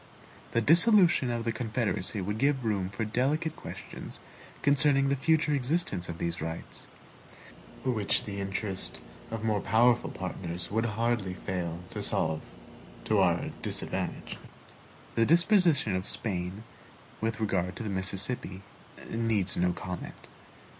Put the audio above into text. The dissolution of the Confederacy would give room for delicate questions concerning the future existence of these rights; which the interest of more powerful partners would hardly fail to solve to our disadvantage. The disposition of Spain with regard to the Mississippi needs no comment.